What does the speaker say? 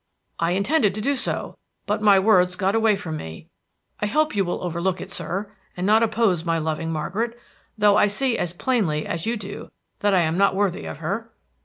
"I intended to do so, but my words got away from me. I hope you will overlook it, sir, and not oppose my loving Margaret, though I see as plainly as you do that I am not worthy of her."